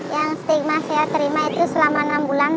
yang stigma saya terima itu selama enam bulan